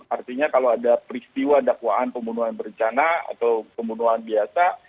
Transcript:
artinya kalau ada peristiwa dakwaan pembunuhan berencana atau pembunuhan biasa